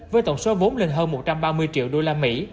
với tổng số vốn lên hơn một trăm linh triệu usd